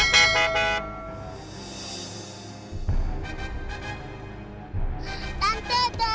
nenek putri pingsan